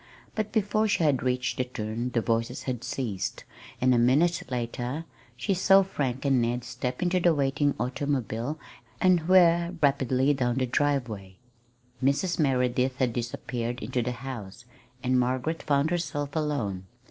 But before she had reached the turn the voices had ceased; and a minute later she saw Frank and Ned step into the waiting automobile and whir rapidly down the driveway. Mrs. Merideth had disappeared into the house, and Margaret found herself alone.